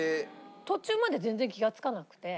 途中まで全然気がつかなくて。